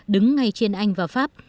đứng ngay trên anh và pháp